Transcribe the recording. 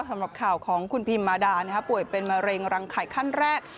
สำหรับข่าวของคุณพิมมาดาป่วยเป็นมะเร็งรังไข่ขั้นแรก